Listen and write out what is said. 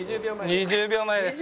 ２０秒前です。